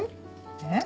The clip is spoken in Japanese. えっ？